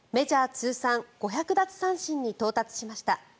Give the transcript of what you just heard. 通算５００奪三振に到達しました。